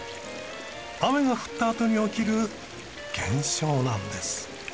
雨が降ったあとに起きる現象なんです。